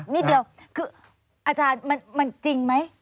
นิดเดียวคืออาจารย์มันจริงไหม